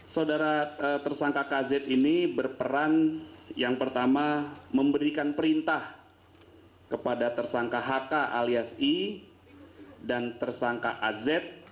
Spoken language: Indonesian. saudara tersangka kz ini berperan yang pertama memberikan perintah kepada tersangka hk alias i dan tersangka az